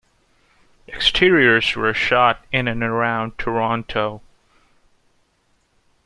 Exteriors were shot in and around Toronto.